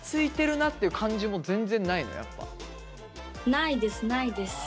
ないですないです。